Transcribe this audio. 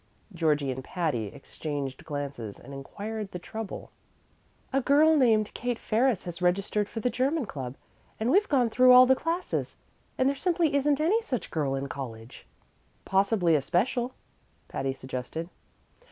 Georgie and Patty exchanged glances and inquired the trouble. "A girl named Kate Ferris has registered for the German Club, and we've gone through all the classes, and there simply isn't any such girl in college." "Possibly a special," Patty suggested.